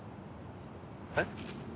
えっ？